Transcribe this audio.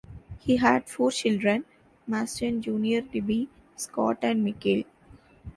He had four children, Masten Junior Debbie, Scott and Michael.